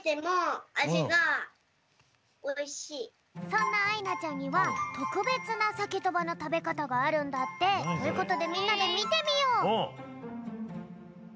そんなあいなちゃんにはとくべつなサケとばの食べ方があるんだって。ということでみんなでみてみよう！